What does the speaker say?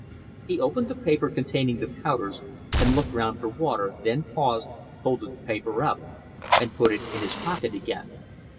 He opened the paper containing the powders, and looked round for water, then paused, folded the paper up, and put it in his pocket again.